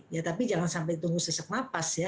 ya tapi jangan sampai tunggu sesak napas ya